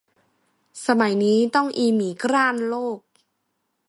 สมัยนี้ต้องอีหมีกร้านโลก